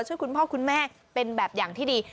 คุณพ่อคุณแม่เป็นแบบอย่างที่ดี